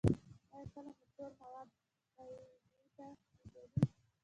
ایا کله مو تور مواد غایطه لیدلي؟